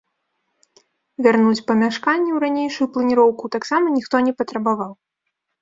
Вярнуць памяшканне ў ранейшую планіроўку таксама ніхто не патрабаваў.